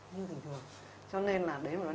như thường thường